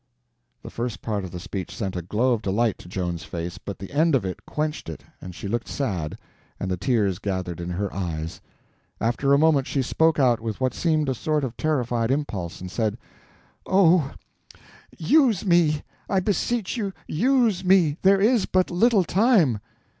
The first part of the speech sent a glow of delight to Joan's face, but the end of it quenched it and she looked sad, and the tears gathered in her eyes. After a moment she spoke out with what seemed a sort of terrified impulse, and said: "Oh, use me; I beseech you, use me—there is but little time!"